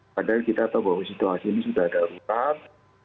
padahal kita tahu bahwa situasi ini sudah ada ruang